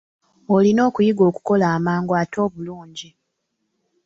Olina okuyiga okukola amangu ate obulungi.